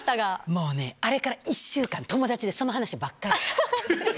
もうね、あれから１週間、友達で、その話ばっかり。